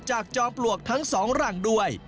จากจอบลวกทั้งสองรังด้วย